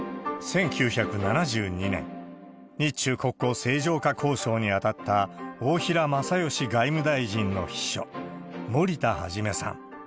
１９７２年、日中国交正常化交渉に当たった大平正芳外務大臣の秘書、森田一さん。